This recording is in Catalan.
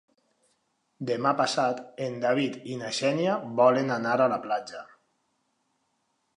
Demà passat en David i na Xènia volen anar a la platja.